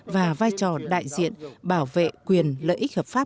và vai trò đại diện bảo vệ quyền lợi ích hợp pháp